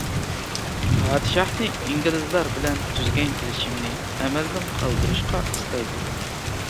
پادىشاھنى ئىنگلىزلار بىلەن تۈزگەن كېلىشىمىنى ئەمەلدىن قالدۇرۇشقا قىستايدۇ.